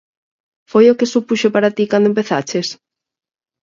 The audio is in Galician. Foi o que supuxo para ti cando empezaches?